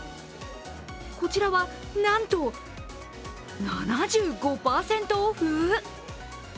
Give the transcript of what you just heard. こちらは、なんと７５％オフ！？